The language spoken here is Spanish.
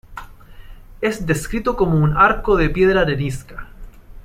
Es descrito como "un arco de piedra arenisca".